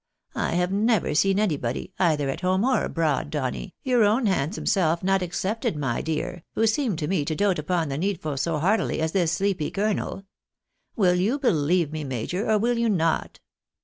I have never seen anybody, either at home or abroad, Donny, your own 186 THE BAENABYS IN AMERICA. handsome self not excepted, my dear, who seemed to me to dote upon the needful so heartily as this sleepy colonel. Will you believe me, major, or will you not